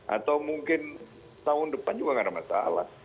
atau mungkin tahun depan juga nggak ada masalah